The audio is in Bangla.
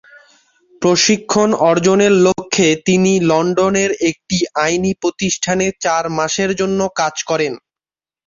প্রশিক্ষণ অর্জনের লক্ষ্যে তিনি লন্ডনের একটি আইনি প্রতিষ্ঠানে চার মাসের জন্য কাজ করেন।